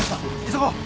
急ごう。